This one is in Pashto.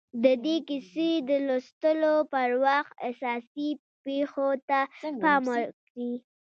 د دې کيسې د لوستلو پر وخت اساسي پېښو ته پام وکړئ.